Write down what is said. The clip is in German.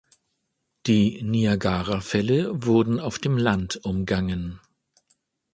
Die Niagarafälle wurden auf dem Land umgangen.